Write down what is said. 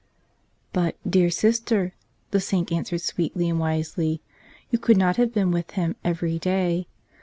"But, dear Sister," the Saint answered sweetly and wisely, "you could not have been with Him every day.